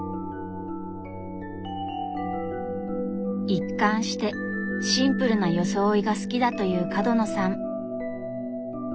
一貫してシンプルな装いが好きだという角野さん。